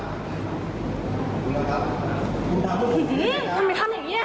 พี่ดีทำไมทำอย่างเงี้ยฮะเฮ้ยใจเย็นใจเย็นต่อ